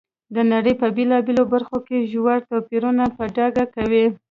د نړۍ په بېلابېلو برخو کې ژور توپیرونه په ډاګه کوي.